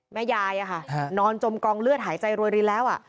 แม่ยายนอนจมกองเลือดหายใจรวยรินแล้ว